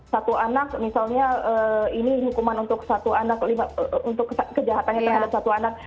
satu anak misalnya ini hukuman untuk satu anak untuk kejahatannya terhadap satu anak